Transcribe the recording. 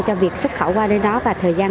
cho việc xuất khẩu qua đến đó và thời gian